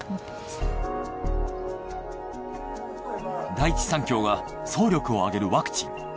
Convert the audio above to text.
第一三共が総力を挙げるワクチン。